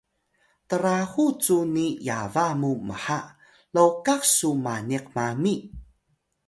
trahu cu ni yaba mu mha lokah su maniq mami